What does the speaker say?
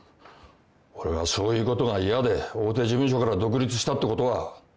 俺がそういうことが嫌で大手事務所から独立したってことは。